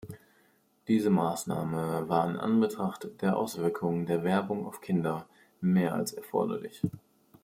Diese Maßnahme war in Anbetracht der Auswirkungen der Werbung auf Kinder mehr als erforderlich.